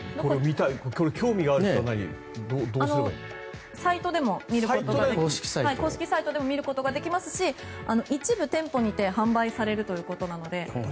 興味がある人はどうすればいい？公式サイトでも見ることができますし一部店舗にて販売されるということなので。